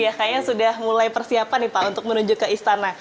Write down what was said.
ya kayaknya sudah mulai persiapan nih pak untuk menuju ke istana